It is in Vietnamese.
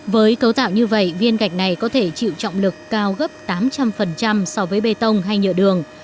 với cấu tạo như vậy viên gạch này có thể chịu trọng lực cao gấp tám trăm linh so với bê tông hay nhựa đường